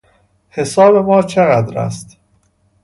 حساب ما چقدر است؟